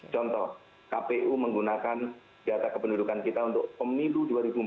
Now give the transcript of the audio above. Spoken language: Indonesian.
contoh kpu menggunakan data kependudukan kita untuk pemilu dua ribu empat belas